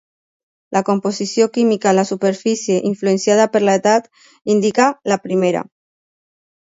La composició química a la superfície, influenciada per l'edat, indica la primera.